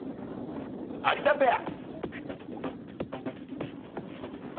有田ペア。